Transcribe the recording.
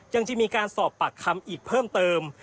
ยังจะมีการสอบปากคำอีกเพิ่มเติม